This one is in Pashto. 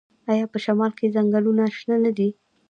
آیا په شمال کې ځنګلونه شنه نه دي؟